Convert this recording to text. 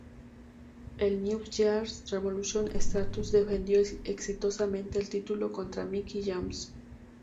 En "New Year's Revolution" Stratus defendió exitosamente el título contra Mickie James.